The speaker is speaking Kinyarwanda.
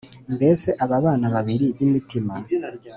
mbese aba bana babiri b’imitima